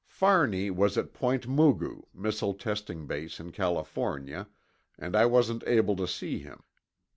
Fahrney was at Point Mugu, missile testing base in California, and I wasn't able to see him.